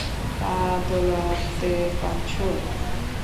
পা দোলাতে পারছো?